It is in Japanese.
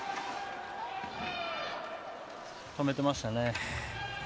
止めてましたね。